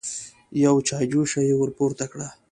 يوه چايجوشه يې ور پورته کړه.